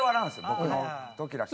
僕の時だけ。